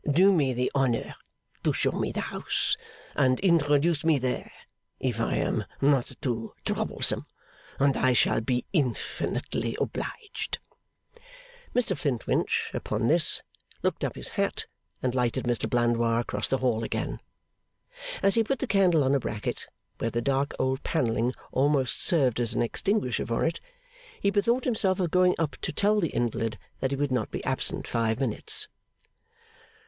'Do me the honour to show me the house, and introduce me there (if I am not too troublesome), and I shall be infinitely obliged.' Mr Flintwinch, upon this, looked up his hat, and lighted Mr Blandois across the hall again. As he put the candle on a bracket, where the dark old panelling almost served as an extinguisher for it, he bethought himself of going up to tell the invalid that he would not be absent five minutes.